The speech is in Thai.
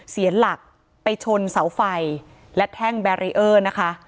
เสียหลักไปชนเสาไฟและแท่งแบรีเออร์นะคะ